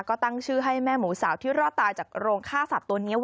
ก็ตั้งชื่อให้แม่หมูสาวที่รอดตายจากโรงฆ่าสัตว์ตัวนี้